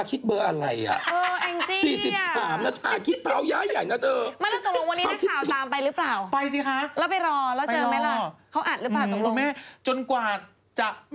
อืม